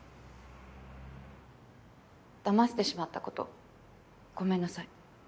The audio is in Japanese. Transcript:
だましてしまった事ごめんなさい。